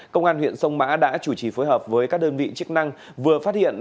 công an huyện sông mã đã chủ trì phối hợp với các đơn vị chức năng vừa phát hiện